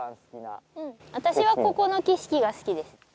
私はここの景色が好きです